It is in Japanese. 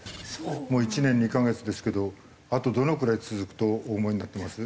もう１年２カ月ですけどあとどのぐらい続くとお思いになってます？